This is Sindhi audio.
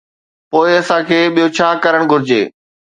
پوءِ اسان کي ٻيو ڇا ڪرڻ گهرجي؟